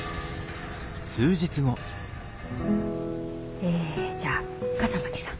えじゃあ笠巻さん。